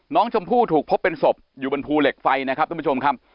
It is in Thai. น้องชมพู่ถูกพบเป็นศพอยู่บนภูเหล็กไฟนะครับทุกผู้ชมครับ